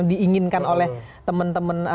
diinginkan oleh teman teman